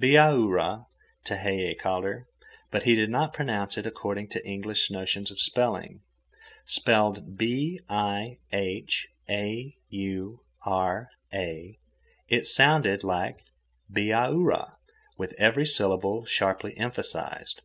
"Bihaura," Tehei called her, but he did not pronounce it according to English notions of spelling. Spelled "Bihaura," it sounded like Bee ah oo rah, with every syllable sharply emphasized.